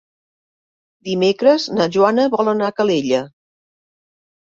Dimecres na Joana vol anar a Calella.